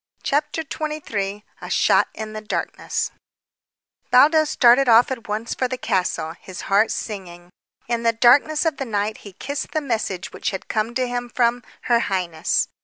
CHAPTER XXIII A SHOT IN THE DARKNESS Baldos started off at once for the castle, his heart singing. In the darkness of the night he kissed the message which had come to him from "her highness."